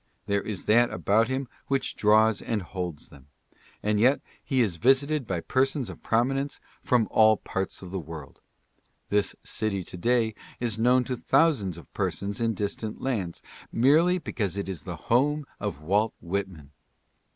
There is that about him which draws and holds them. And yet he is visited by persons of prominence from all parts of the world. This city to day is known to thousands of persons in distant lands merely because it is the home of Walt Whitman.